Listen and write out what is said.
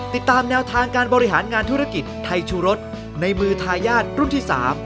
ติดตามแนวทางการบริหารงานธุรกิจไทยชูรสในมือทายาทรุ่นที่๓